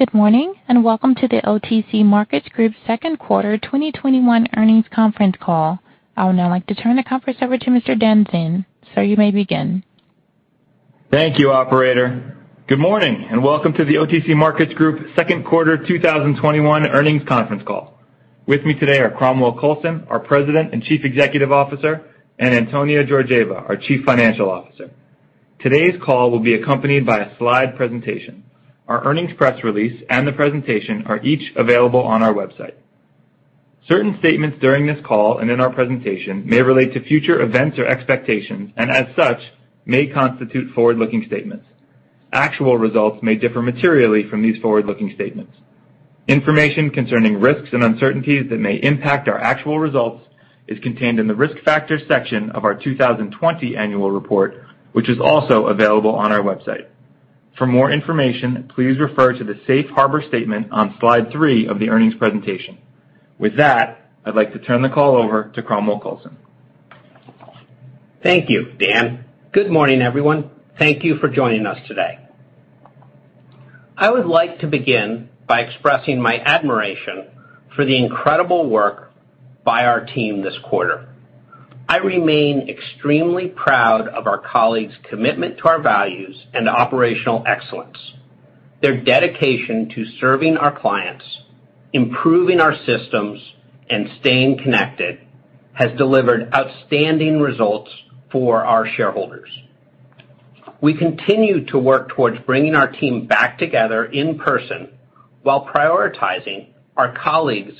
Good morning and welcome to the OTC Markets Group second quarter 2021 earnings Conference Call. I would now like to turn the conference over to Mr. Dan Zinn so you may begin. Thank you, Operator. Good morning and welcome to the OTC Markets Group second quarter 2021 earnings Conference Call. With me today are Cromwell Coulson, our President and Chief Executive Officer, and Antonia Georgieva, our Chief Financial Officer. Today's call will be accompanied by a slide presentation. Our earnings press release and the presentation are each available on our website. Certain statements during this call and in our presentation may relate to future events or expectations and, as such, may constitute forward-looking statements. Actual results may differ materially from these forward-looking statements. Information concerning risks and uncertainties that may impact our actual results is contained in the risk factors section of our 2020 annual report, which is also available on our website. For more information, please refer to the Safe Harbor Statement on slide 3 of the earnings presentation. With that, I'd like to turn the call over to Cromwell Coulson. Thank you, Dan. Good morning, everyone. Thank you for joining us today. I would like to begin by expressing my admiration for the incredible work by our team this quarter. I remain extremely proud of our colleagues' commitment to our values and operational excellence. Their dedication to serving our clients, improving our systems, and staying connected has delivered outstanding results for our shareholders. We continue to work towards bringing our team back together in person while prioritizing our colleagues'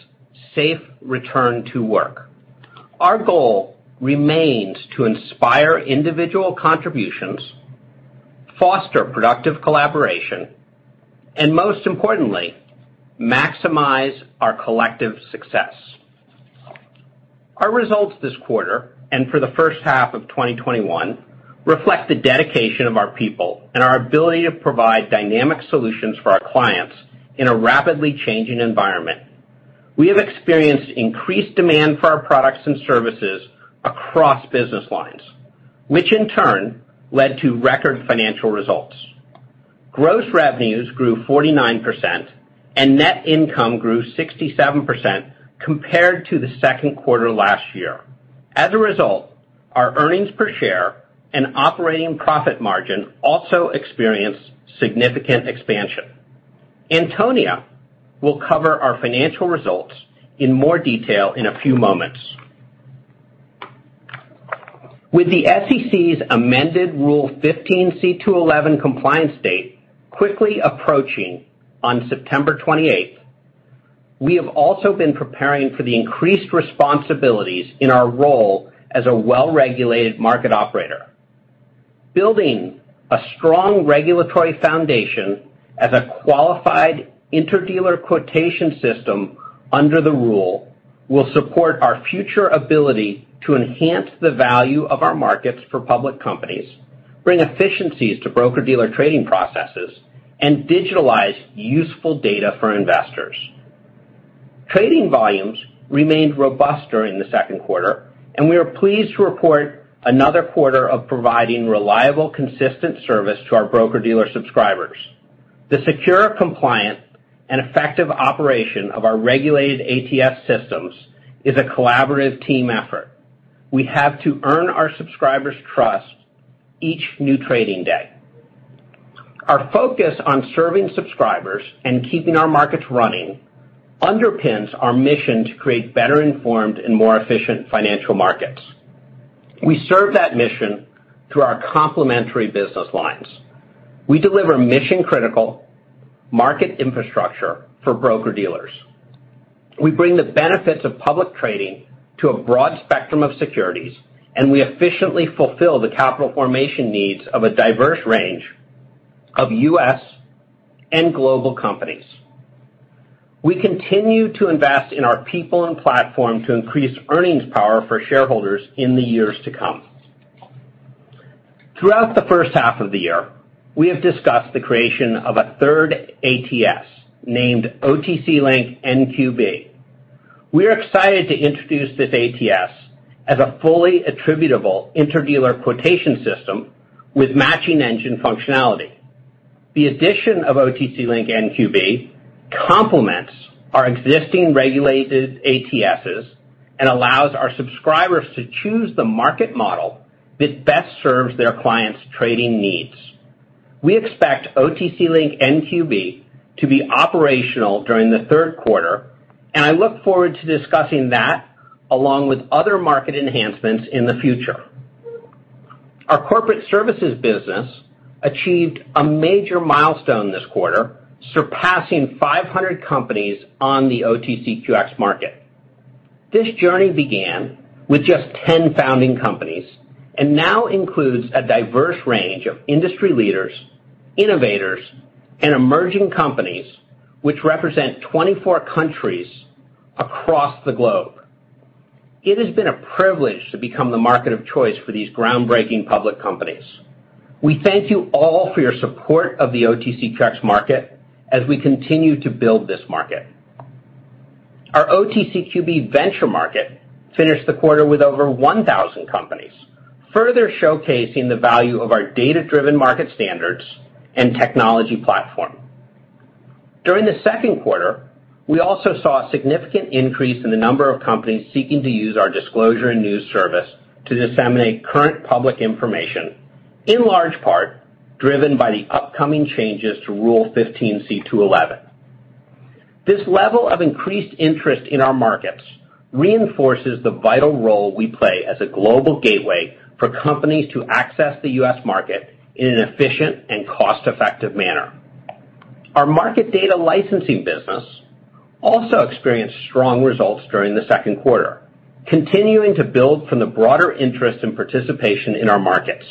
safe return to work. Our goal remains to inspire individual contributions, foster productive collaboration, and, most importantly, maximize our collective success. Our results this quarter and for the first half of 2021 reflect the dedication of our people and our ability to provide dynamic solutions for our clients in a rapidly changing environment. We have experienced increased demand for our products and services across business lines, which in turn led to record financial results. Gross revenues grew 49%, and net income grew 67% compared to the second quarter last year. As a result, our earnings per share and operating profit margin also experienced significant expansion. Antonia will cover our financial results in more detail in a few moments. With the SEC's amended Rule 15c2-11 compliance date quickly approaching on September 28, we have also been preparing for the increased responsibilities in our role as a well-regulated market operator. Building a strong regulatory foundation as a qualified interdealer quotation system under the rule will support our future ability to enhance the value of our markets for public companies, bring efficiencies to broker-dealer trading processes, and digitalize useful data for investors. Trading volumes remained robust during the second quarter, and we are pleased to report another quarter of providing reliable, consistent service to our broker-dealer subscribers. The secure, compliant, and effective operation of our regulated ATS systems is a collaborative team effort. We have to earn our subscribers' trust each new trading day. Our focus on serving subscribers and keeping our markets running underpins our mission to create better-informed and more efficient financial markets. We serve that mission through our complementary business lines. We deliver mission-critical market infrastructure for broker-dealers. We bring the benefits of public trading to a broad spectrum of securities, and we efficiently fulfill the capital formation needs of a diverse range of U.S. and global companies. We continue to invest in our people and platform to increase earnings power for shareholders in the years to come. Throughout the first half of the year, we have discussed the creation of a third ATS named OTC Link NQB. We are excited to introduce this ATS as a fully attributable interdealer quotation system with matching engine functionality. The addition of OTC Link NQB complements our existing regulated ATSs and allows our subscribers to choose the market model that best serves their clients' trading needs. We expect OTC Link NQB to be operational during the third quarter, and I look forward to discussing that along with other market enhancements in the future. Our corporate services business achieved a major milestone this quarter, surpassing 500 companies on the OTCQX market. This journey began with just 10 founding companies and now includes a diverse range of industry leaders, innovators, and emerging companies, which represent 24 countries across the globe. It has been a privilege to become the market of choice for these groundbreaking public companies. We thank you all for your support of the OTCQX market as we continue to build this market. Our OTCQB venture market finished the quarter with over 1,000 companies, further showcasing the value of our data-driven market standards and technology platform. During the second quarter, we also saw a significant increase in the number of companies seeking to use our Disclosure and News Service to disseminate current public information, in large part driven by the upcoming changes to Rule 15c2-11. This level of increased interest in our markets reinforces the vital role we play as a global gateway for companies to access the U.S. market in an efficient and cost-effective manner. Our market data licensing business also experienced strong results during the second quarter, continuing to build from the broader interest and participation in our markets.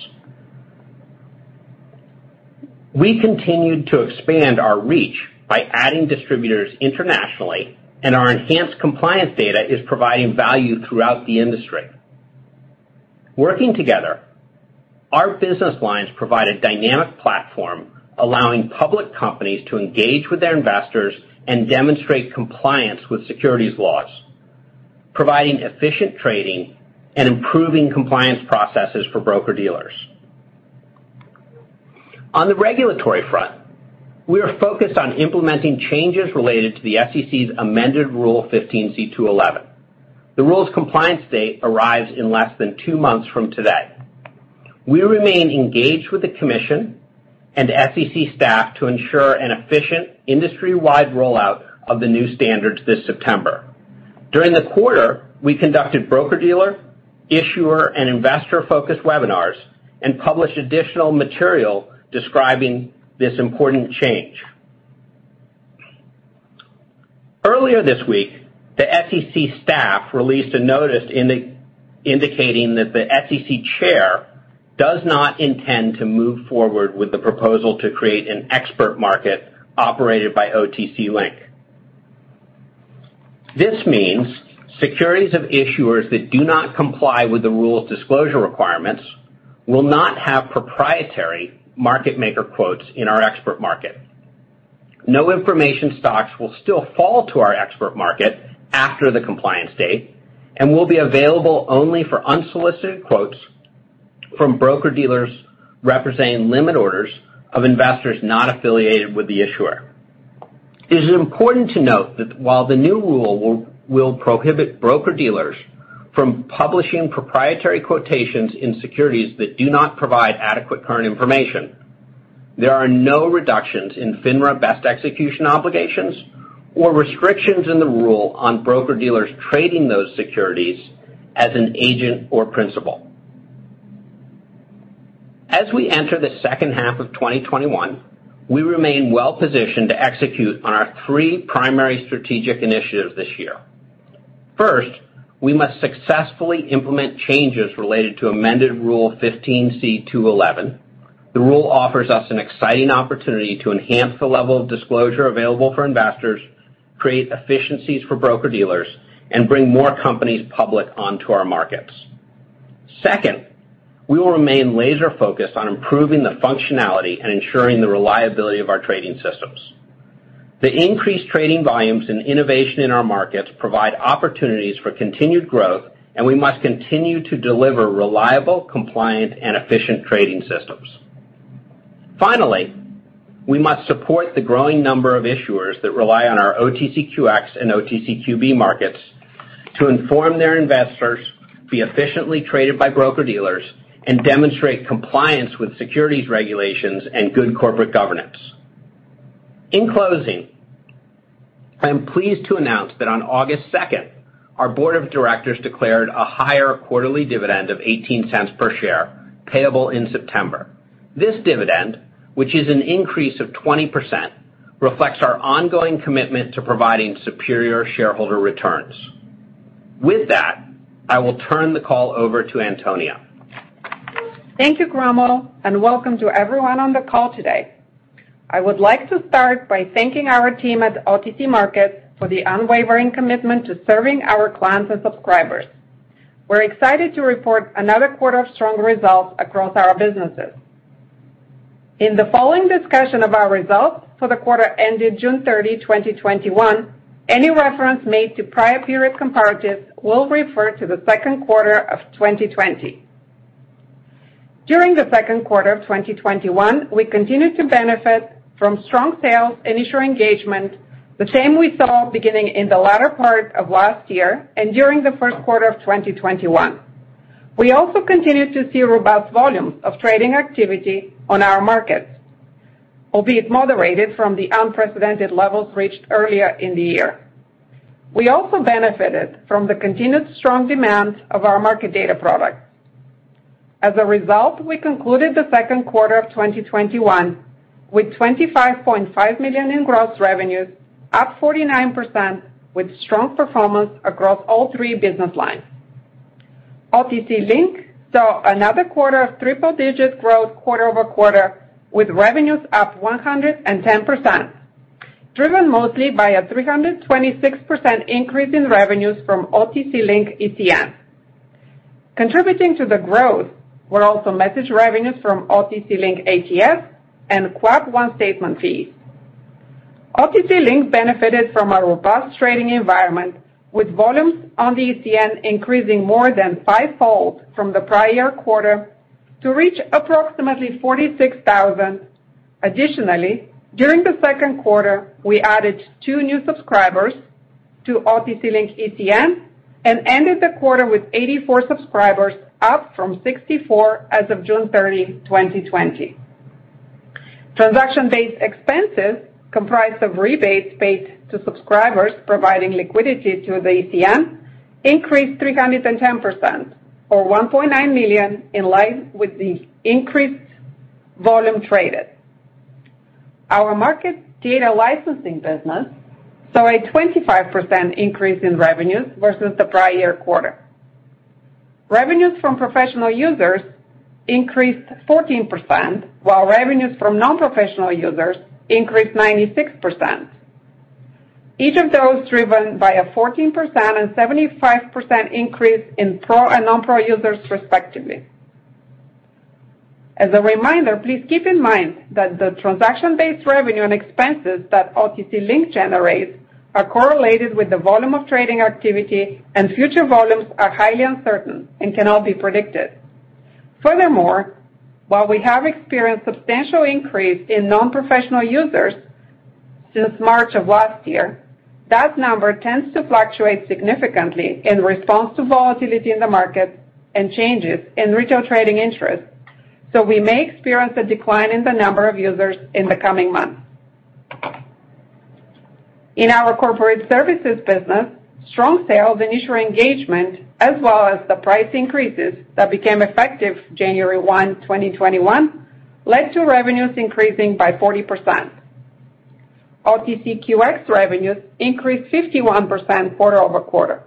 We continued to expand our reach by adding distributors internationally, and our enhanced compliance data is providing value throughout the industry. Working together, our business lines provide a dynamic platform allowing public companies to engage with their investors and demonstrate compliance with securities laws, providing efficient trading and improving compliance processes for broker-dealers. On the regulatory front, we are focused on implementing changes related to the SEC's amended Rule 15c2-11. The rule's compliance date arrives in less than two months from today. We remain engaged with the Commission and SEC staff to ensure an efficient industry-wide rollout of the new standards this September. During the quarter, we conducted broker-dealer, issuer, and investor-focused webinars and published additional material describing this important change. Earlier this week, the SEC staff released a notice indicating that the SEC Chair does not intend to move forward with the proposal to create an expert market operated by OTC Link. This means securities of issuers that do not comply with the rule's disclosure requirements will not have proprietary market-maker quotes in our expert market. No information stocks will still fall to our expert market after the compliance date and will be available only for unsolicited quotes from broker-dealers representing limit orders of investors not affiliated with the issuer. It is important to note that while the new rule will prohibit broker-dealers from publishing proprietary quotations in securities that do not provide adequate current information, there are no reductions in FINRA best execution obligations or restrictions in the rule on broker-dealers trading those securities as an agent or principal. As we enter the second half of 2021, we remain well-positioned to execute on our three primary strategic initiatives this year. First, we must successfully implement changes related to amended Rule 15c2-11. The rule offers us an exciting opportunity to enhance the level of disclosure available for investors, create efficiencies for broker-dealers, and bring more companies public onto our markets. Second, we will remain laser-focused on improving the functionality and ensuring the reliability of our trading systems. The increased trading volumes and innovation in our markets provide opportunities for continued growth, and we must continue to deliver reliable, compliant, and efficient trading systems. Finally, we must support the growing number of issuers that rely on our OTCQX and OTCQB markets to inform their investors to be efficiently traded by broker-dealers and demonstrate compliance with securities regulations and good corporate governance. In closing, I am pleased to announce that on August 2, our Board of Directors declared a higher quarterly dividend of $0.18 per share payable in September. This dividend, which is an increase of 20%, reflects our ongoing commitment to providing superior shareholder returns. With that, I will turn the call over to Antonia. Thank you, Cromwell, and welcome to everyone on the call today. I would like to start by thanking our team at OTC Markets for the unwavering commitment to serving our clients and subscribers. We're excited to report another quarter of strong results across our businesses. In the following discussion of our results for the quarter ended June 30, 2021, any reference made to prior period comparatives will refer to the second quarter of 2020. During the second quarter of 2021, we continued to benefit from strong sales and issuer engagement, the same we saw beginning in the latter part of last year and during the first quarter of 2021. We also continued to see robust volumes of trading activity on our markets, albeit moderated from the unprecedented levels reached earlier in the year. We also benefited from the continued strong demand of our market data products. As a result, we concluded the second quarter of 2021 with $25.5 million in gross revenues, up 49%, with strong performance across all three business lines. OTC Link saw another quarter of triple-digit growth quarter over quarter, with revenues up 110%, driven mostly by a 326% increase in revenues from OTC Link ETN. Contributing to the growth were also message revenues from OTC Link ATS and QUAP1 statement fees. OTC Link benefited from a robust trading environment, with volumes on the ETN increasing more than fivefold from the prior quarter to reach approximately 46,000. Additionally, during the second quarter, we added two new subscribers to OTC Link ETN and ended the quarter with 84 subscribers, up from 64 as of June 30, 2020. Transaction-based expenses, comprised of rebates paid to subscribers providing liquidity to the ETN, increased 310%, or $1.9 million, in line with the increased volume traded. Our market data licensing business saw a 25% increase in revenues versus the prior quarter. Revenues from professional users increased 14%, while revenues from non-professional users increased 96%. Each of those driven by a 14% and 75% increase in pro and non-pro users, respectively. As a reminder, please keep in mind that the transaction-based revenue and expenses that OTC Link generates are correlated with the volume of trading activity, and future volumes are highly uncertain and cannot be predicted. Furthermore, while we have experienced substantial increase in non-professional users since March of last year, that number tends to fluctuate significantly in response to volatility in the market and changes in retail trading interest, so we may experience a decline in the number of users in the coming months. In our corporate services business, strong sales and issuer engagement, as well as the price increases that became effective January 1, 2021, led to revenues increasing by 40%. OTCQX revenues increased 51% quarter over quarter.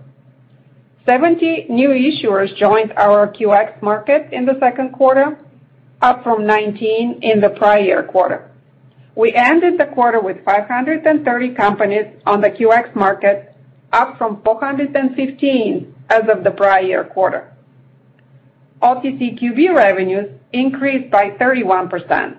Seventy new issuers joined our QX market in the second quarter, up from 19 in the prior quarter. We ended the quarter with 530 companies on the QX market, up from 415 as of the prior quarter. OTCQB revenues increased by 31%.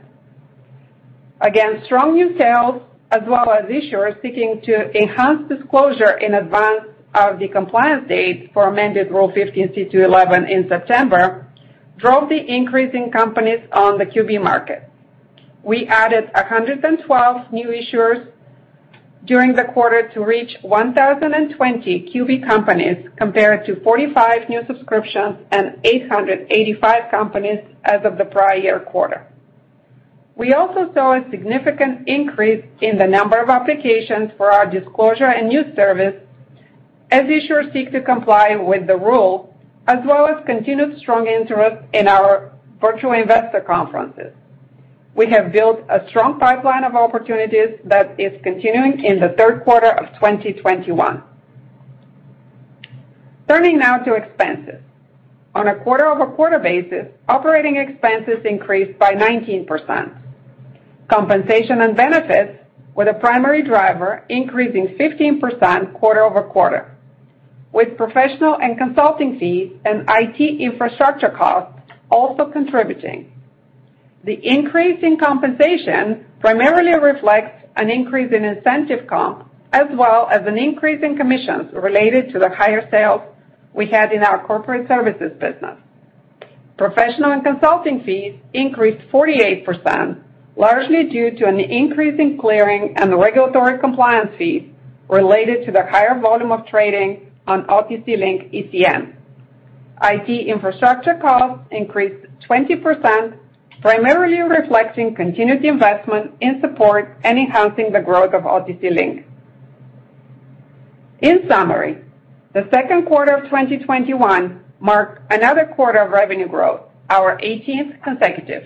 Again, strong new sales, as well as issuers seeking to enhance disclosure in advance of the compliance date for amended Rule 15c2-11 in September, drove the increase in companies on the QB market. We added 112 new issuers during the quarter to reach 1,020 QB companies, compared to 45 new subscriptions and 885 companies as of the prior quarter. We also saw a significant increase in the number of applications for our Disclosure and News Service as issuers seek to comply with the rule, as well as continued strong interest in our Virtual Investor Conferences. We have built a strong pipeline of opportunities that is continuing in the third quarter of 2021. Turning now to expenses. On a quarter-over-quarter basis, operating expenses increased by 19%. Compensation and benefits were the primary driver, increasing 15% quarter over quarter, with professional and consulting fees and IT infrastructure costs also contributing. The increase in compensation primarily reflects an increase in incentive comp, as well as an increase in commissions related to the higher sales we had in our corporate services business. Professional and consulting fees increased 48%, largely due to an increase in clearing and regulatory compliance fees related to the higher volume of trading on OTC Link ETN. IT infrastructure costs increased 20%, primarily reflecting continued investment in support and enhancing the growth of OTC Link. In summary, the second quarter of 2021 marked another quarter of revenue growth, our 18th consecutive.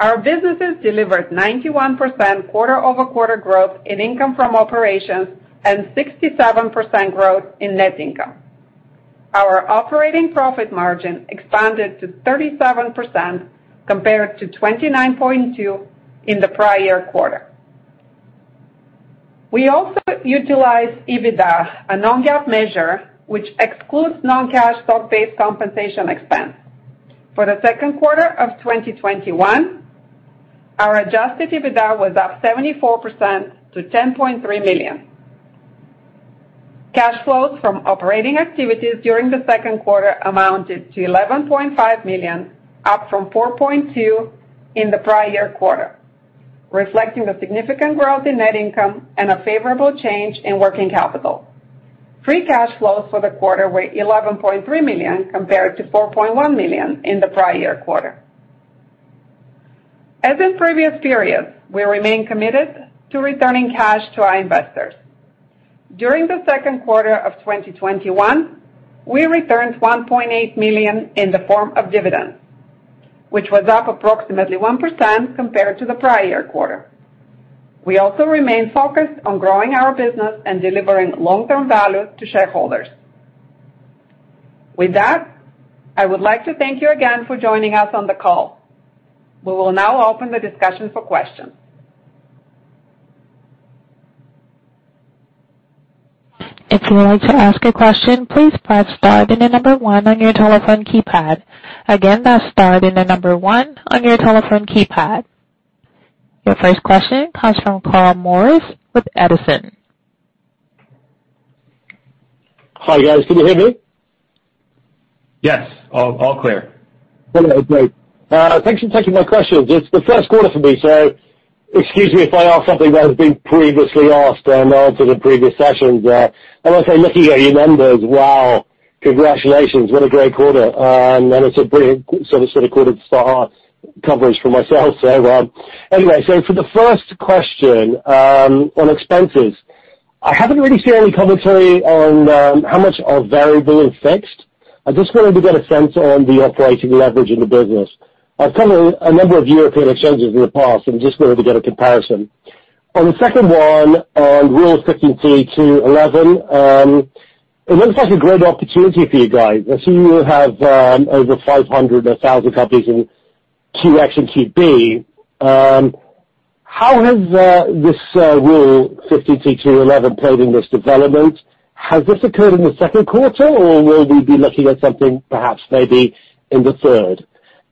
Our businesses delivered 91% quarter-over-quarter growth in income from operations and 67% growth in net income. Our operating profit margin expanded to 37%, compared to 29.2% in the prior quarter. We also utilized EBITDA, a non-GAAP measure which excludes non-cash stock-based compensation expense. For the second quarter of 2021, our adjusted EBITDA was up 74% to $10.3 million. Cash flows from operating activities during the second quarter amounted to $11.5 million, up from $4.2 million in the prior quarter, reflecting the significant growth in net income and a favorable change in working capital. Free cash flows for the quarter were $11.3 million, compared to $4.1 million in the prior quarter. As in previous periods, we remain committed to returning cash to our investors. During the second quarter of 2021, we returned $1.8 million in the form of dividends, which was up approximately 1% compared to the prior quarter. We also remain focused on growing our business and delivering long-term value to shareholders. With that, I would like to thank you again for joining us on the call. We will now open the discussion for questions. If you would like to ask a question, please press star and the number one on your telephone keypad. Again, that's star and the number one on your telephone keypad. Your first question comes from Crom Morris with Edison. Hi, guys. Can you hear me? Yes. All clear. Okay. Great. Thanks for taking my questions. It's the first quarter for me, so excuse me if I ask something that has been previously asked and answered in previous sessions. I say, looking at your numbers, wow, congratulations. What a great quarter. It's a brilliant sort of quarter to start our coverage for myself. For the first question on expenses, I haven't really seen any commentary on how much are variable and fixed. I just wanted to get a sense on the operating leverage in the business. I've covered a number of European exchanges in the past and just wanted to get a comparison. On the second one, on Rule 15c2-11, it looks like a great opportunity for you guys. I see you have over 500 companies in QX and QB. How has this Rule 15c2-11 played in this development? Has this occurred in the second quarter, or will we be looking at something perhaps maybe in the third?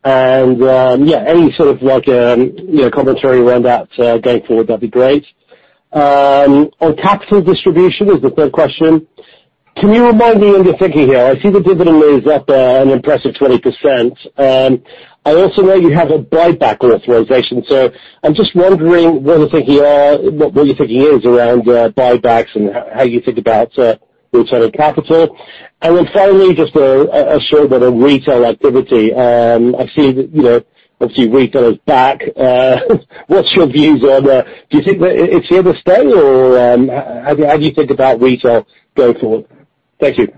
Yeah, any sort of commentary around that going forward, that'd be great. On capital distribution is the third question. Can you remind me on your thinking here? I see the dividend is up an impressive 20%. I also know you have a buyback authorization, so I'm just wondering what your thinking is around buybacks and how you think about returning capital. Finally, just a short one on retail activity. I've seen obviously retail is back. What's your views on do you think it's here to stay, or how do you think about retail going forward? Thank you.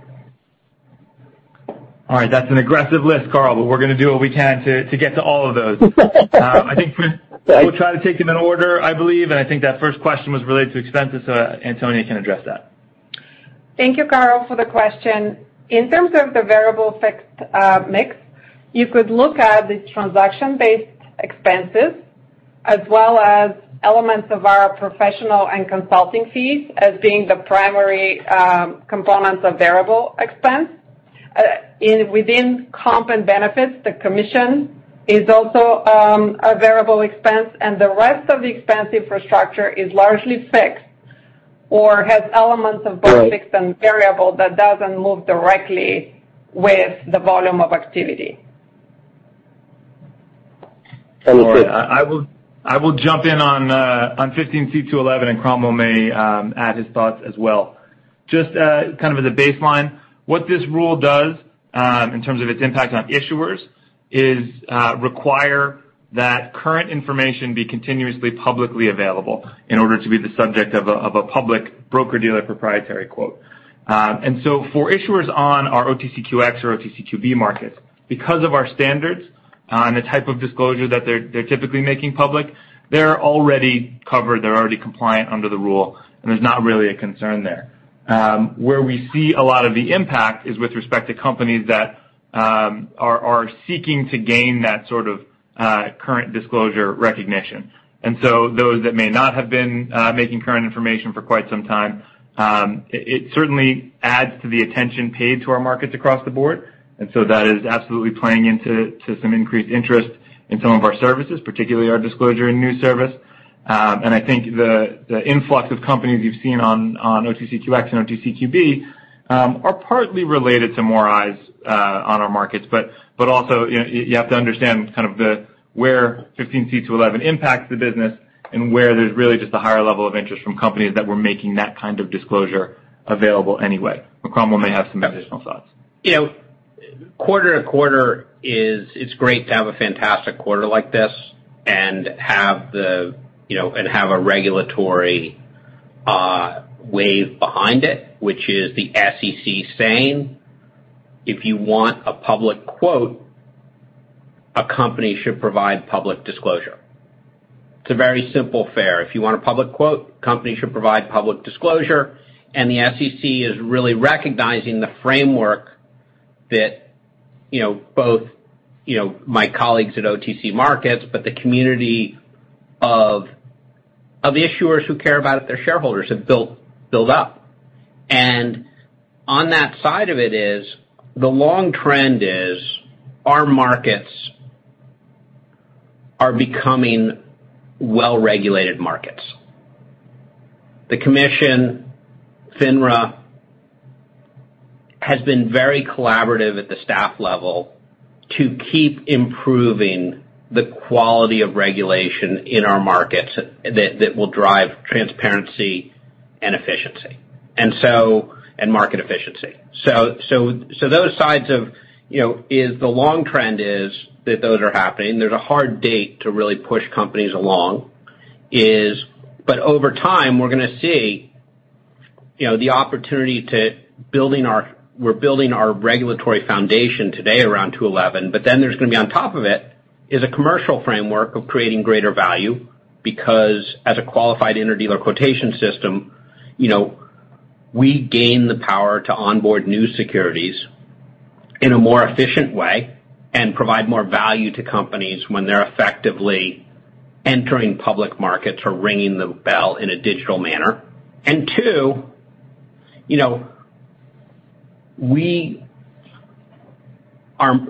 All right. That's an aggressive list, Crom, but we're going to do what we can to get to all of those. I think we'll try to take them in order, I believe, and I think that first question was related to expenses, so Antonia can address that. Thank you, Crom, for the question. In terms of the variable fixed mix, you could look at the transaction-based expenses as well as elements of our professional and consulting fees as being the primary components of variable expense. Within comp and benefits, the commission is also a variable expense, and the rest of the expense infrastructure is largely fixed or has elements of both fixed and variable that does not move directly with the volume of activity. Sounds good. I will jump in on 15c2-11, and Crom may add his thoughts as well. Just kind of as a baseline, what this rule does in terms of its impact on issuers is require that current information be continuously publicly available in order to be the subject of a public broker-dealer proprietary quote. For issuers on our OTCQX or OTCQB markets, because of our standards and the type of disclosure that they're typically making public, they're already covered. They're already compliant under the rule, and there's not really a concern there. Where we see a lot of the impact is with respect to companies that are seeking to gain that sort of current disclosure recognition. Those that may not have been making current information for quite some time, it certainly adds to the attention paid to our markets across the board. That is absolutely playing into some increased interest in some of our services, particularly our Disclosure and News Service. I think the influx of companies you've seen on OTCQX and OTCQB are partly related to more eyes on our markets, but also you have to understand kind of where 15c2-11 impacts the business and where there's really just a higher level of interest from companies that were making that kind of disclosure available anyway. Crom may have some additional thoughts. Quarter to quarter, it's great to have a fantastic quarter like this and have a regulatory wave behind it, which is the SEC saying, "If you want a public quote, a company should provide public disclosure." It's a very simple fare. If you want a public quote, a company should provide public disclosure. The SEC is really recognizing the framework that both my colleagues at OTC Markets, but the community of issuers who care about their shareholders have built up. On that side of it, the long trend is our markets are becoming well-regulated markets. The commission, FINRA, has been very collaborative at the staff level to keep improving the quality of regulation in our markets that will drive transparency and efficiency and market efficiency. Those sides of the long trend is that those are happening. There's a hard date to really push companies along, but over time, we're going to see the opportunity to build our regulatory foundation today around 211, but then on top of it is a commercial framework of creating greater value because as a qualified interdealer quotation system, we gain the power to onboard new securities in a more efficient way and provide more value to companies when they're effectively entering public markets or ringing the bell in a digital manner. Two,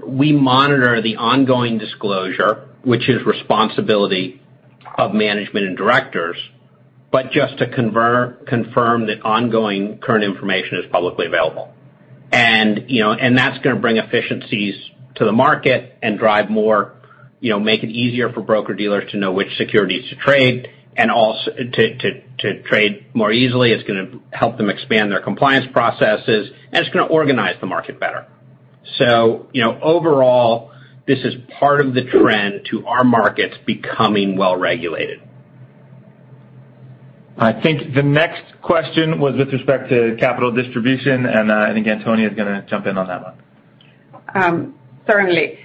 we monitor the ongoing disclosure, which is responsibility of management and directors, but just to confirm that ongoing current information is publicly available. That's going to bring efficiencies to the market and drive more, make it easier for broker-dealers to know which securities to trade and also to trade more easily. It's going to help them expand their compliance processes, and it's going to organize the market better. Overall, this is part of the trend to our markets becoming well-regulated. I think the next question was with respect to capital distribution, and I think Antonia is going to jump in on that one. Certainly.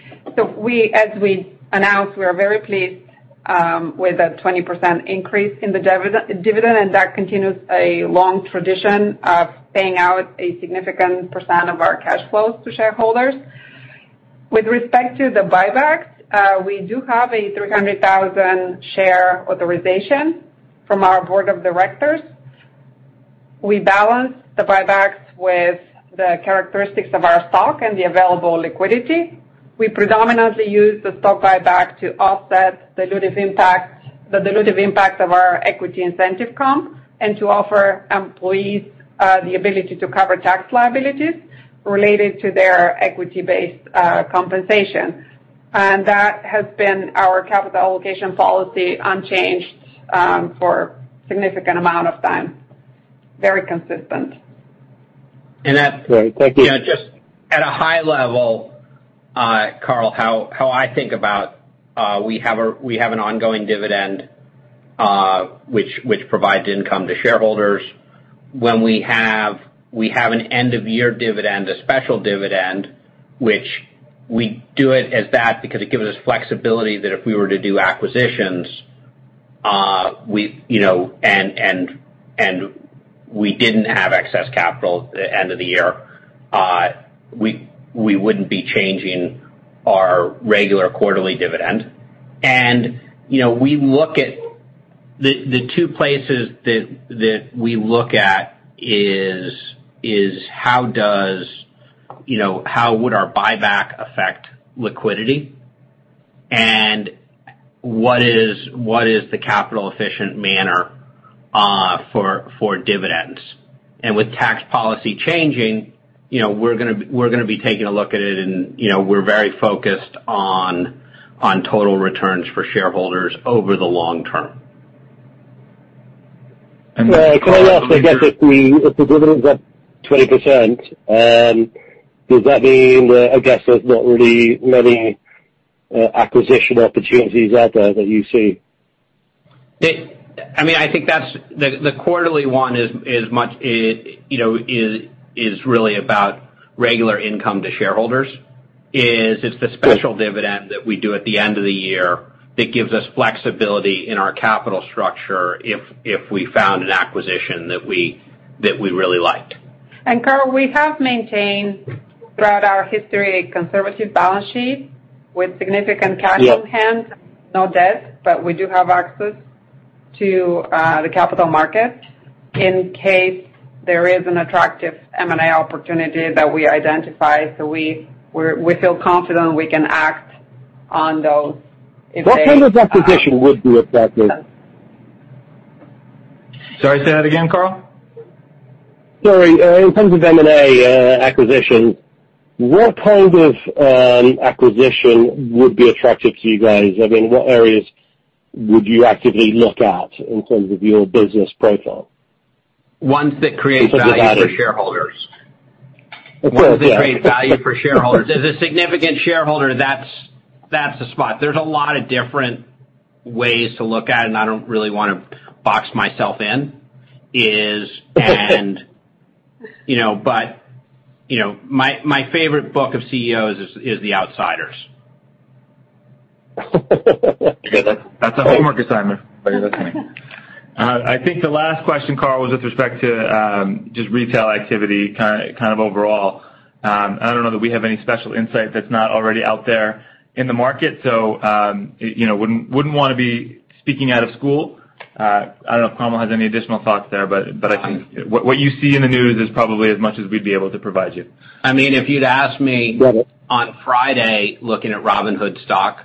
As we announced, we are very pleased with a 20% increase in the dividend, and that continues a long tradition of paying out a significant percent of our cash flows to shareholders. With respect to the buybacks, we do have a 300,000 share authorization from our Board of Directors. We balance the buybacks with the characteristics of our stock and the available liquidity. We predominantly use the stock buyback to offset the dilutive impact of our equity incentive comp and to offer employees the ability to cover tax liabilities related to their equity-based compensation. That has been our capital allocation policy unchanged for a significant amount of time. Very consistent. And that. Sorry. Thank you. Just at a high level, Cromwell, how I think about we have an ongoing dividend which provides income to shareholders. When we have an end-of-year dividend, a special dividend, which we do it as that because it gives us flexibility that if we were to do acquisitions and we did not have excess capital at the end of the year, we would not be changing our regular quarterly dividend. We look at the two places that we look at is how would our buyback affect liquidity and what is the capital-efficient manner for dividends. With tax policy changing, we are going to be taking a look at it, and we are very focused on total returns for shareholders over the long term. Can I ask? I guess if the dividend's up 20%, does that mean, I guess, there's not really many acquisition opportunities out there that you see? I mean, I think the quarterly one is really about regular income to shareholders. It's the special dividend that we do at the end of the year that gives us flexibility in our capital structure if we found an acquisition that we really liked. Crom, we have maintained throughout our history a conservative balance sheet with significant cash on hand. No debt, but we do have access to the capital markets in case there is an attractive M&A opportunity that we identify. We feel confident we can act on those if they. What kind of acquisition would be attractive? Sorry. Say that again, Crom? Sorry. In terms of M&A acquisitions, what kind of acquisition would be attractive to you guys? I mean, what areas would you actively look at in terms of your business profile? Ones that create value for shareholders. What are those? Ones that create value for shareholders. If there's a significant shareholder, that's the spot. There's a lot of different ways to look at it, and I don't really want to box myself in. My favorite book of CEOs is The Outsiders. That's a homework assignment for you listening. I think the last question, Crom, was with respect to just retail activity kind of overall. I don't know that we have any special insight that's not already out there in the market, so wouldn't want to be speaking out of school. I don't know if Crom has any additional thoughts there, but I think what you see in the news is probably as much as we'd be able to provide you. I mean, if you'd asked me on Friday looking at Robinhood stock,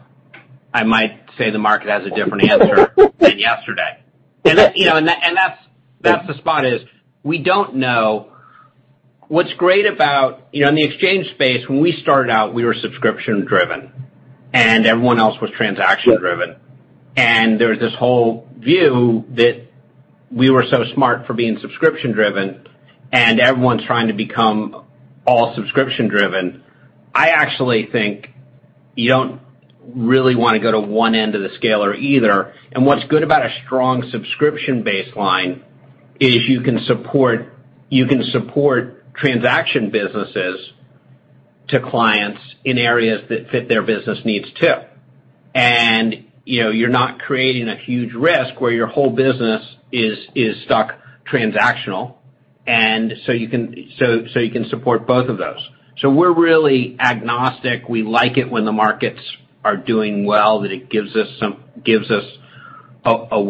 I might say the market has a different answer than yesterday. That's the spot is we don't know what's great about in the exchange space, when we started out, we were subscription-driven, and everyone else was transaction-driven. There was this whole view that we were so smart for being subscription-driven, and everyone's trying to become all subscription-driven. I actually think you don't really want to go to one end of the scale or either. What's good about a strong subscription baseline is you can support transaction businesses to clients in areas that fit their business needs too. You're not creating a huge risk where your whole business is stuck transactional. You can support both of those. We're really agnostic. We like it when the markets are doing well, that it gives us a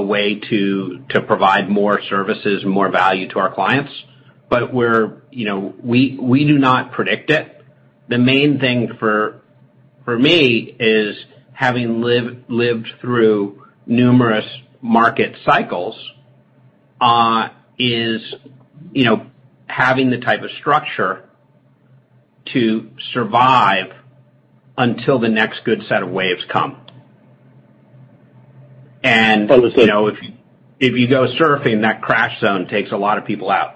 way to provide more services and more value to our clients. We do not predict it. The main thing for me is having lived through numerous market cycles is having the type of structure to survive until the next good set of waves come. If you go surfing, that crash zone takes a lot of people out.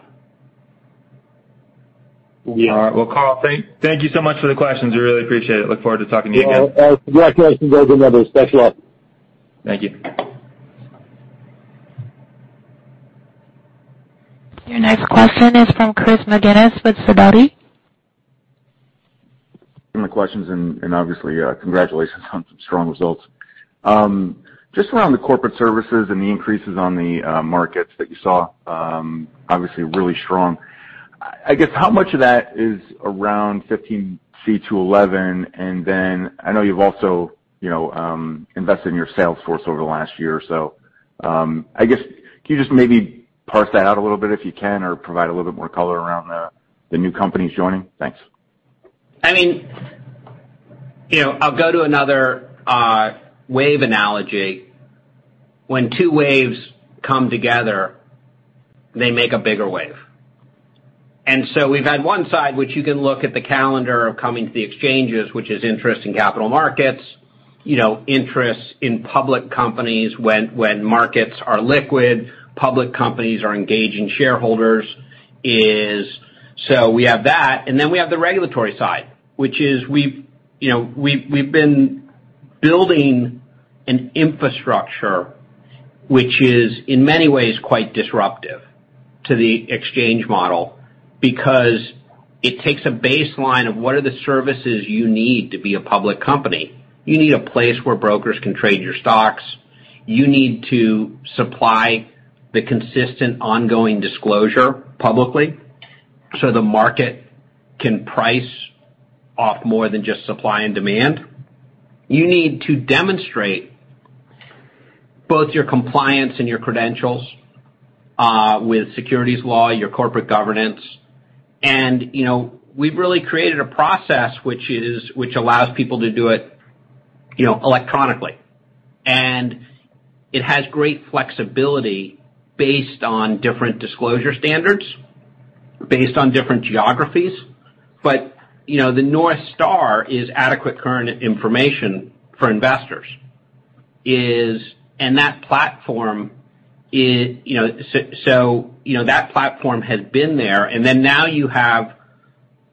All right. Crom, thank you so much for the questions. We really appreciate it. Look forward to talking to you again. Yeah. Congratulations on your special opportunity. Thank you. Your next question is from Chris McGinnis with Cidadi. Some of the questions and obviously, congratulations on some strong results. Just around the corporate services and the increases on the markets that you saw, obviously really strong. I guess how much of that is around 15c2-11? And then I know you've also invested in your Salesforce over the last year or so. I guess can you just maybe parse that out a little bit if you can or provide a little bit more color around the new companies joining? Thanks. I mean, I'll go to another wave analogy. When two waves come together, they make a bigger wave. We've had one side which you can look at the calendar of coming to the exchanges, which is interest in capital markets, interest in public companies when markets are liquid, public companies are engaging shareholders. We have that. Then we have the regulatory side, which is we've been building an infrastructure which is in many ways quite disruptive to the exchange model because it takes a baseline of what are the services you need to be a public company. You need a place where brokers can trade your stocks. You need to supply the consistent ongoing disclosure publicly so the market can price off more than just supply and demand. You need to demonstrate both your compliance and your credentials with securities law, your corporate governance. We have really created a process which allows people to do it electronically. It has great flexibility based on different disclosure standards, based on different geographies. The North Star is adequate current information for investors. That platform has been there. Now you have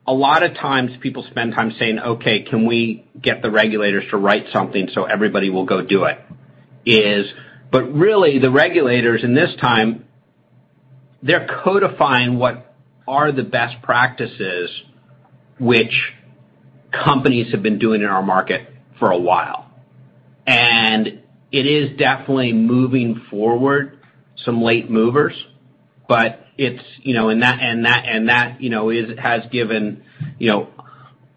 a lot of times people spend time saying, "Okay, can we get the regulators to write something so everybody will go do it?" The regulators in this time, they are codifying what are the best practices which companies have been doing in our market for a while. It is definitely moving forward some late movers, and that has given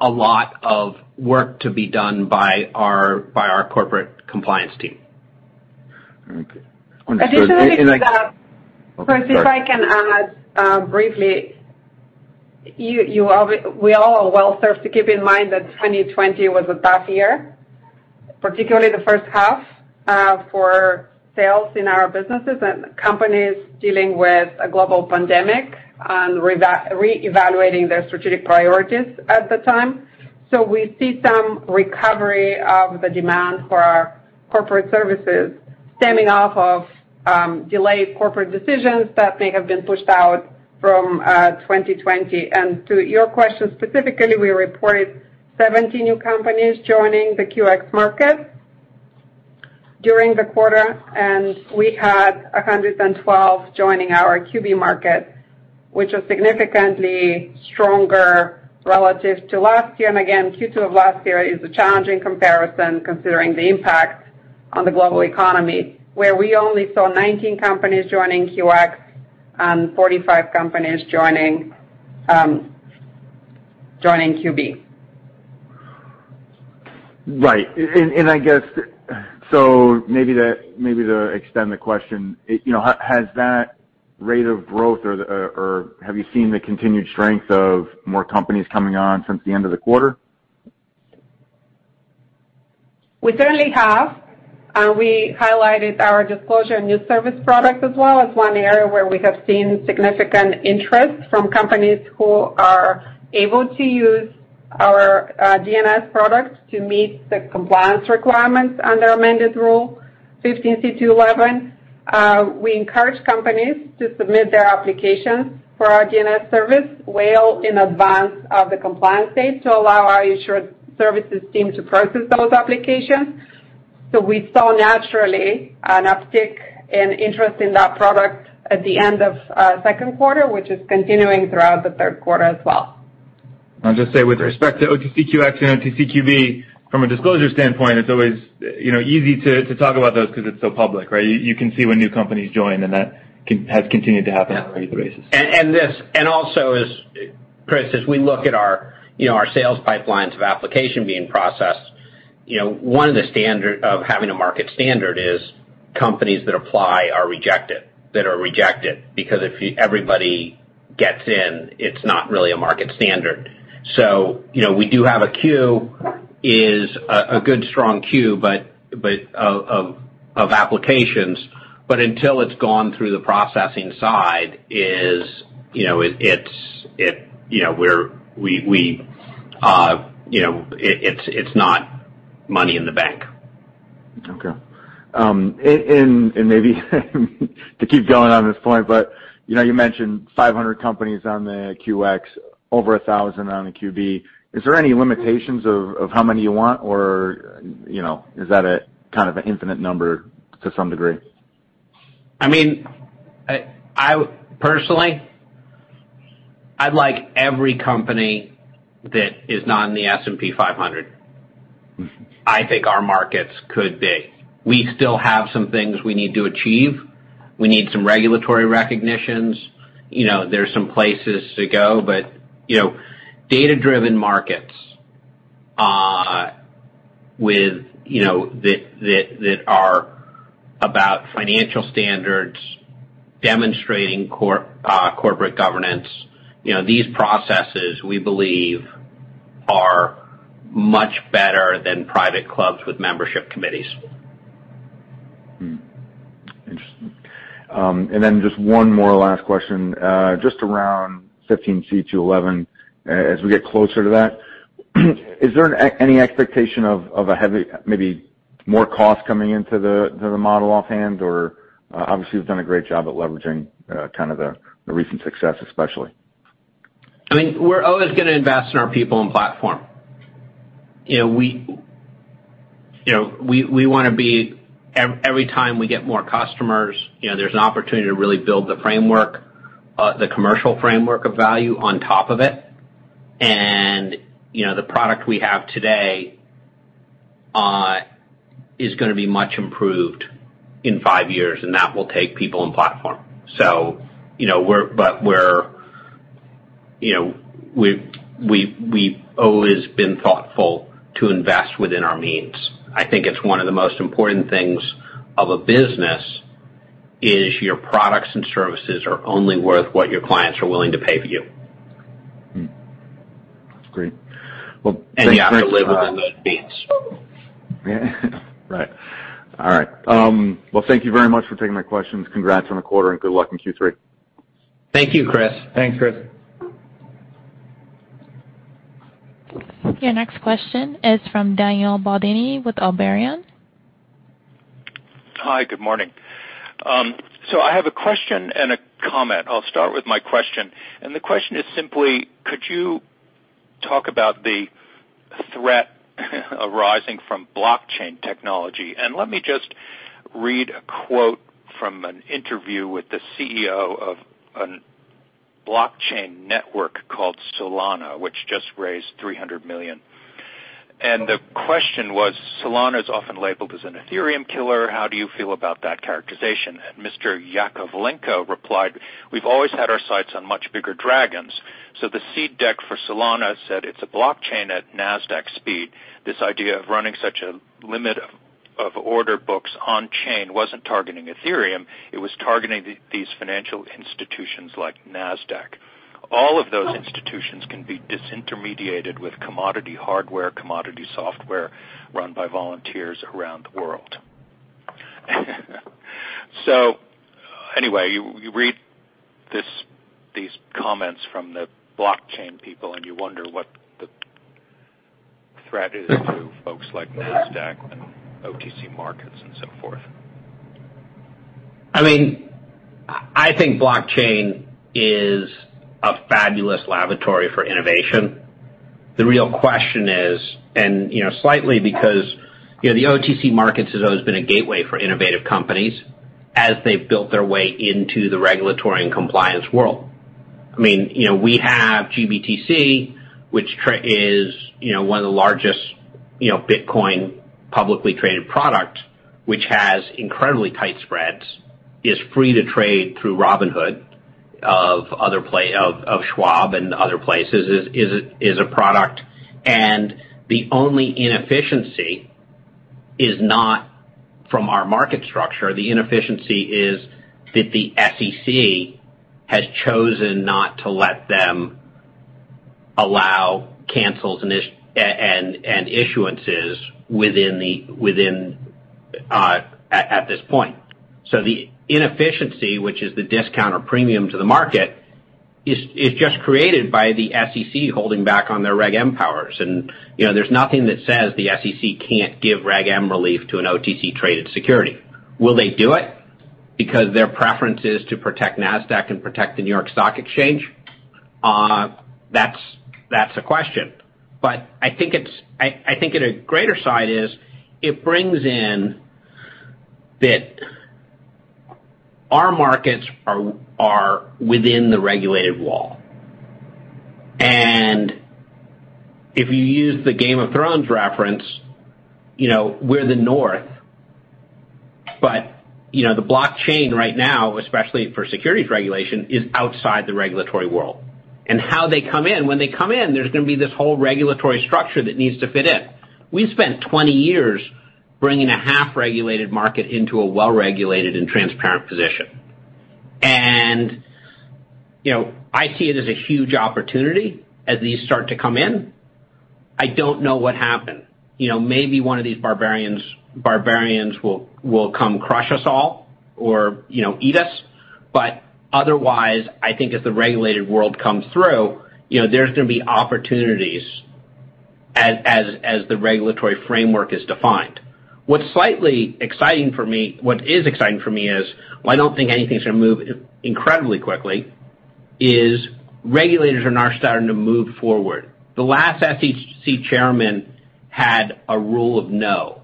a lot of work to be done by our corporate compliance team. Okay. Understood. This is a brief. If I can add briefly, we all are well served to keep in mind that 2020 was a tough year, particularly the first half for sales in our businesses and companies dealing with a global pandemic and reevaluating their strategic priorities at the time. We see some recovery of the demand for our corporate services stemming off of delayed corporate decisions that may have been pushed out from 2020. To your question specifically, we reported 70 new companies joining the QX market during the quarter, and we had 112 joining our QB market, which was significantly stronger relative to last year. Q2 of last year is a challenging comparison considering the impact on the global economy where we only saw 19 companies joining QX and 45 companies joining QB. Right. I guess maybe to extend the question, has that rate of growth or have you seen the continued strength of more companies coming on since the end of the quarter? We certainly have. We highlighted our Disclosure and News Service products as well as one area where we have seen significant interest from companies who are able to use our DNS product to meet the compliance requirements under amended Rule 15c2-11. We encourage companies to submit their applications for our DNS service well in advance of the compliance date to allow our issuer services team to process those applications. We saw naturally an uptick in interest in that product at the end of second quarter, which is continuing throughout the third quarter as well. I'll just say with respect to OTCQX and OTCQB, from a disclosure standpoint, it's always easy to talk about those because it's so public, right? You can see when new companies join, and that has continued to happen on a regular basis. Chris, as we look at our sales pipelines of application being processed, one of the standards of having a market standard is companies that apply are rejected, that are rejected because if everybody gets in, it's not really a market standard. We do have a queue, a good strong queue of applications, but until it's gone through the processing side, it's not money in the bank. Okay. Maybe to keep going on this point, but you mentioned 500 companies on the QX, over 1,000 on the QB. Is there any limitations of how many you want, or is that a kind of an infinite number to some degree? I mean, personally, I'd like every company that is not in the S&P 500. I think our markets could be. We still have some things we need to achieve. We need some regulatory recognitions. There's some places to go, but data-driven markets that are about financial standards, demonstrating corporate governance, these processes we believe are much better than private clubs with membership committees. Interesting. Just one more last question just around 15c2-11 as we get closer to that. Is there any expectation of maybe more cost coming into the model offhand? Obviously, you've done a great job at leveraging kind of the recent success, especially. I mean, we're always going to invest in our people and platform. We want to be every time we get more customers, there's an opportunity to really build the framework, the commercial framework of value on top of it. The product we have today is going to be much improved in five years, and that will take people and platform. We've always been thoughtful to invest within our means. I think it's one of the most important things of a business is your products and services are only worth what your clients are willing to pay for you. That's great. Thanks for you have to live within those means. Yeah. Right. All right. Thank you very much for taking my questions. Congrats on the quarter, and good luck in Q3. Thank you, Chris. Thanks, Chris. Your next question is from Daniel Baldini with Albarian. Hi, good morning. I have a question and a comment. I'll start with my question. The question is simply, could you talk about the threat arising from blockchain technology? Let me just read a quote from an interview with the CEO of a blockchain network called Solana, which just raised $300 million. The question was, "Solana is often labeled as an Ethereum killer. How do you feel about that characterization?" Mr. Yakovenko replied, "We've always had our sights on much bigger dragons." The seed deck for Solana said, "It's a blockchain at Nasdaq speed. This idea of running such a limit of order books on-chain wasn't targeting Ethereum. It was targeting these financial institutions like Nasdaq. All of those institutions can be disintermediated with commodity hardware, commodity software run by volunteers around the world. Anyway, you read these comments from the blockchain people, and you wonder what the threat is to folks like Nasdaq and OTC Markets and so forth. I mean, I think blockchain is a fabulous laboratory for innovation. The real question is, and slightly because the OTC Markets have always been a gateway for innovative companies as they've built their way into the regulatory and compliance world. I mean, we have GBTC, which is one of the largest Bitcoin publicly traded products, which has incredibly tight spreads, is free to trade through Robinhood or Schwab and other places, is a product. The only inefficiency is not from our market structure. The inefficiency is that the SEC has chosen not to let them allow cancels and issuances at this point. The inefficiency, which is the discount or premium to the market, is just created by the SEC holding back on their Reg M powers. There is nothing that says the SEC can't give Reg M relief to an OTC-traded security. Will they do it because their preference is to protect Nasdaq and protect in your Stock Exchange? That's a question. I think the greater side is it brings in that our markets are within the regulated wall. If you use the Game of Thrones reference, we're the North. The blockchain right now, especially for securities regulation, is outside the regulatory world. How they come in, when they come in, there's going to be this whole regulatory structure that needs to fit in. We spent 20 years bringing a half-regulated market into a well-regulated and transparent position. I see it as a huge opportunity as these start to come in. I don't know what happened. Maybe one of these barbarians will come crush us all or eat us. Otherwise, I think as the regulated world comes through, there's going to be opportunities as the regulatory framework is defined. What's slightly exciting for me, what is exciting for me is, I don't think anything's going to move incredibly quickly, regulators are now starting to move forward. The last SEC chairman had a rule of no.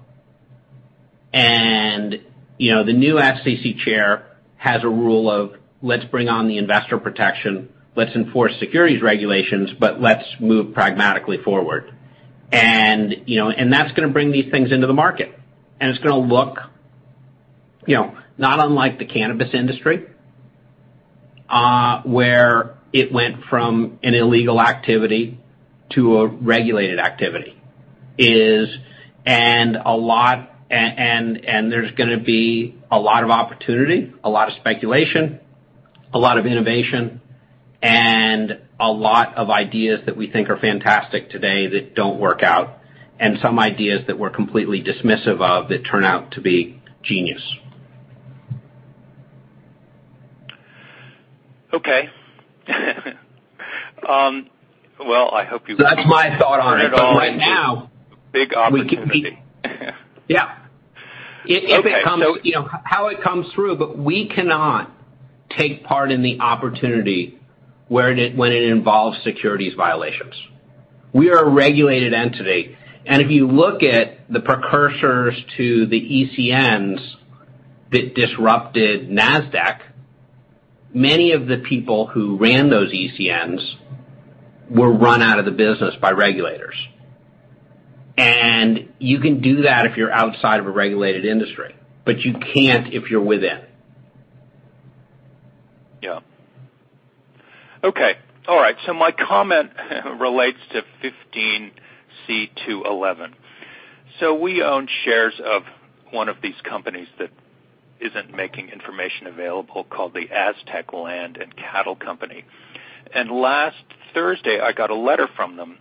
The new SEC chair has a rule of, "Let's bring on the investor protection. Let's enforce securities regulations, but let's move pragmatically forward." That's going to bring these things into the market. It's going to look not unlike the cannabis industry where it went from an illegal activity to a regulated activity. There is going to be a lot of opportunity, a lot of speculation, a lot of innovation, and a lot of ideas that we think are fantastic today that do not work out, and some ideas that we are completely dismissive of that turn out to be genius. Okay. I hope you. That's my thought on it, That's my thought right now. Big opportunity. Yeah, If it comes. How it comes through, but we cannot take part in the opportunity when it involves securities violations. We are a regulated entity. If you look at the precursors to the ECNs that disrupted Nasdaq, many of the people who ran those ECNs were run out of the business by regulators. You can do that if you're outside of a regulated industry, but you can't if you're within. Yeah. Okay. All right. My comment relates to 15c2-11. We own shares of one of these companies that isn't making information available called the Aztec Land and Cattle Company. Last Thursday, I got a letter from them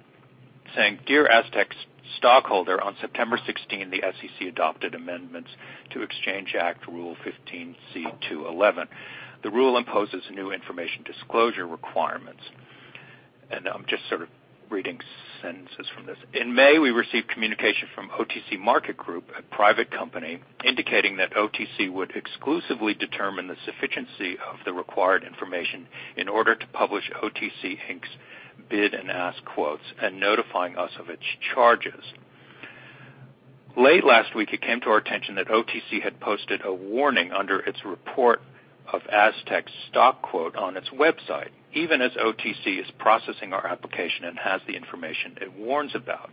saying, "Dear Aztec stockholder, on September 16, the SEC adopted amendments to Exchange Act Rule 15c2-11. The rule imposes new information disclosure requirements." I'm just sort of reading sentences from this. In May, we received communication from OTC Markets Group, a private company, indicating that OTC would exclusively determine the sufficiency of the required information in order to publish OTC's bid and ask quotes and notifying us of its charges. Late last week, it came to our attention that OTC had posted a warning under its report of Aztec stock quote on its website. Even as OTC is processing our application and has the information it warns about,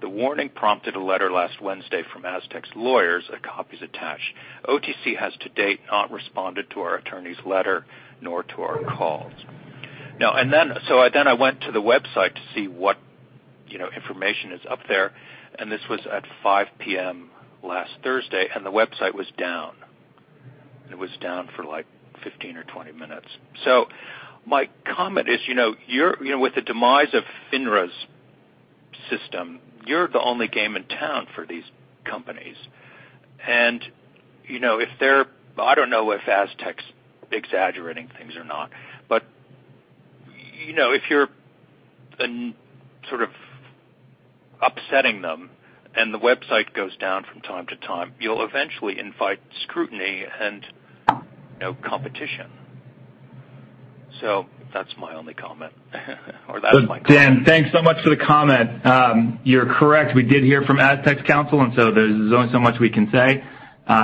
the warning prompted a letter last Wednesday from Aztec's lawyers, copies attached. OTC has to date not responded to our attorney's letter nor to our calls." Now, I went to the website to see what information is up there. This was at 5:00 P.M. last Thursday. The website was down. It was down for like 15 or 20 minutes. My comment is, with the demise of FINRA's system, you're the only game in town for these companies. And if they're, I don't know if Aztec's exaggerating things or not, but if you're sort of upsetting them and the website goes down from time to time, you'll eventually invite scrutiny and competition. That's my only comment. That's my comment. Dan, thanks so much for the comment. You're correct. We did hear from Aztec's counsel, and so there's only so much we can say,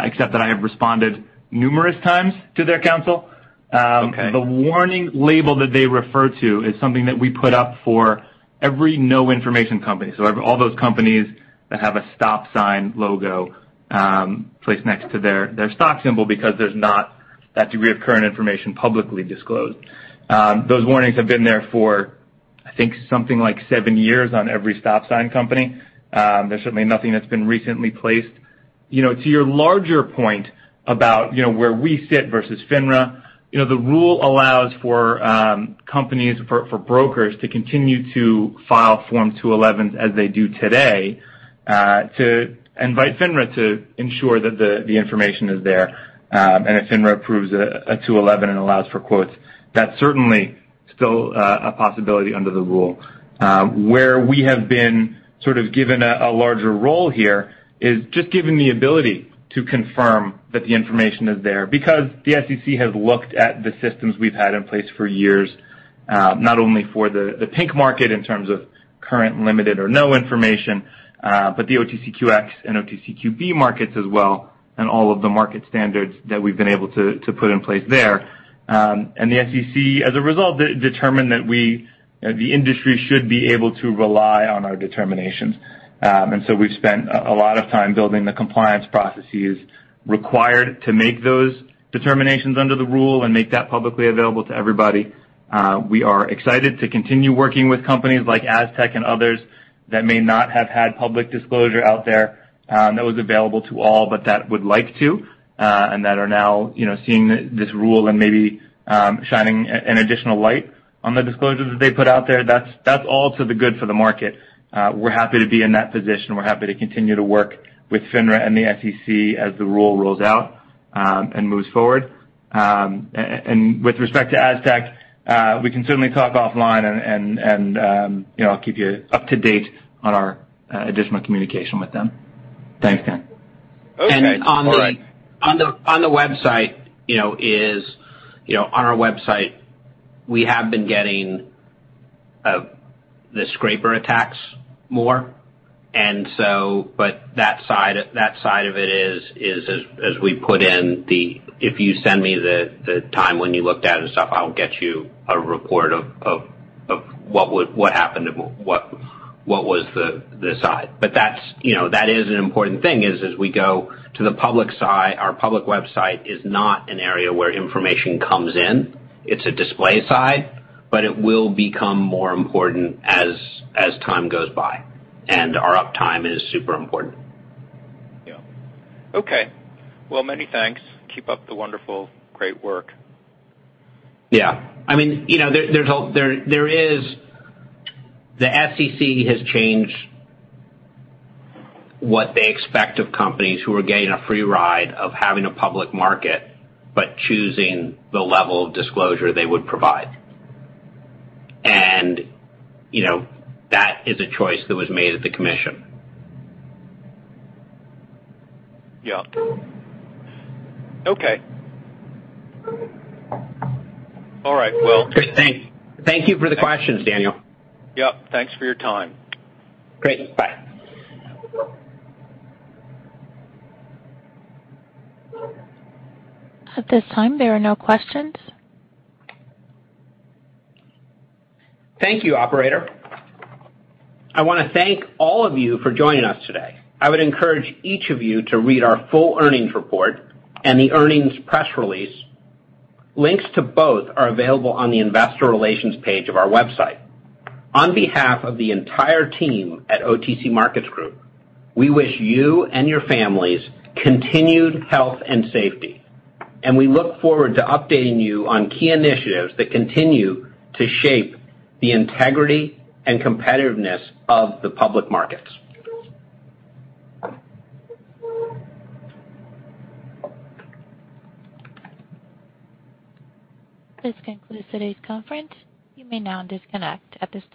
except that I have responded numerous times to their counsel. The warning label that they refer to is something that we put up for every no information company. All those companies that have a stop sign logo placed next to their stock symbol because there's not that degree of current information publicly disclosed. Those warnings have been there for, I think, something like seven years on every stop sign company. There's certainly nothing that's been recently placed. To your larger point about where we sit versus FINRA, the rule allows for companies, for brokers to continue to file Form 211s as they do today to invite FINRA to ensure that the information is there. If FINRA approves a 211 and allows for quotes, that's certainly still a possibility under the rule. Where we have been sort of given a larger role here is just given the ability to confirm that the information is there because the SEC has looked at the systems we've had in place for years, not only for the Pink market in terms of current, limited, or no information, but the OTCQX and OTCQB markets as well, and all of the market standards that we've been able to put in place there. The SEC, as a result, determined that the industry should be able to rely on our determinations. We have spent a lot of time building the compliance processes required to make those determinations under the rule and make that publicly available to everybody. We are excited to continue working with companies like Aztec and others that may not have had public disclosure out there that was available to all, but that would like to, and that are now seeing this rule and maybe shining an additional light on the disclosure that they put out there. That is all to the good for the market. We are happy to be in that position. We are happy to continue to work with FINRA and the SEC as the rule rolls out and moves forward. With respect to Aztec, we can certainly talk offline, and I will keep you up to date on our additional communication with them. Thanks, Dan. Okay. On the website. That's great. On our website, we have been getting the scraper attacks more. That side of it is, as we put in the, "If you send me the time when you looked at it and stuff, I'll get you a report of what happened and what was the side." That is an important thing, as we go to the public side. Our public website is not an area where information comes in. It's a display side, but it will become more important as time goes by. Our uptime is super important. Yeah. Okay. Many thanks. Keep up the wonderful, great work. Yeah. I mean, the SEC has changed what they expect of companies who are getting a free ride of having a public market but choosing the level of disclosure they would provide. That is a choice that was made at the commission. Yeah. Okay. All right. Thank you for the questions, Daniel. Yeah. Thanks for your time. Great. Bye. At this time, there are no questions. Thank you, operator. I want to thank all of you for joining us today. I would encourage each of you to read our full earnings report and the earnings press release. Links to both are available on the investor relations page of our website. On behalf of the entire team at OTC Markets Group, we wish you and your families continued health and safety. We look forward to updating you on key initiatives that continue to shape the integrity and competitiveness of the public markets. This concludes today's conference. You may now disconnect at this time.